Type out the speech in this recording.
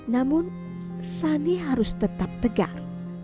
namun sani harus tetap tegar